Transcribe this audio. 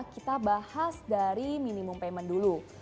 kita bahas dari minimum payment dulu